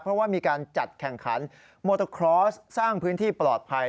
เพราะว่ามีการจัดแข่งขันโมโตครอสสร้างพื้นที่ปลอดภัย